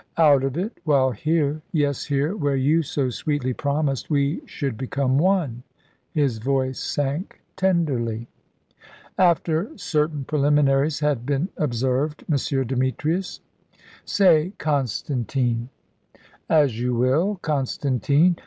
"Out of it, while here yes, here, where you so sweetly promised we should become one"; his voice sank tenderly. "After certain preliminaries had been observed, M. Demetrius." "Say, Constantine." "As you will, Constantine.